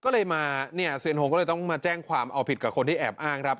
เซียนฮงก็เลยมาแจ้งความเอาผิดกับคนที่แอบอ้างครับ